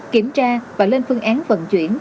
kiểm tra và lên phương án phần chuyển